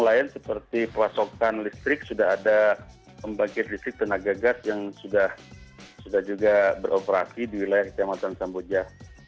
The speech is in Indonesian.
lain lain seperti pelasokan listrik sudah ada pembagian listrik tenaga gas yang sudah juga beroperasi di wilayah kecamatan samboja